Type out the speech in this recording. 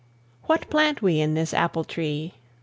What plant we in this apple tree?